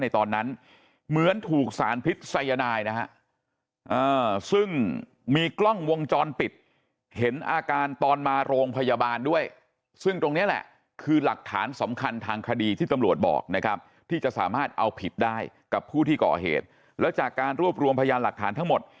ตอนนั้นเหมือนถูกสารพิษัยนายนะฮะซึ่งมีกล้องวงจรปิดเห็นอาการตอนมาโรงพยาบาลด้วยซึ่งตรงนี้แหละคือหลักฐานสำคัญทางคดีที่ตำรวจบอกนะครับที่จะสามารถเอาผิดได้กับผู้ที่ก่อเหตุแล้วจากการรวบรวมพยานหลักฐานทั้งหมด